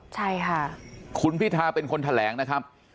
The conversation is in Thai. ใช่ค่ะคุณพิทาเป็นคนแถลงนะครับ